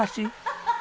ハハハハ！